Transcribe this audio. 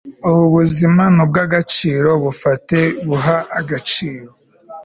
ubu buzima ni ubw'agaciro .. bufate, buha agaciro